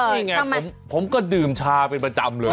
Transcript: นี่ไงผมก็ดื่มชาเป็นประจำเลย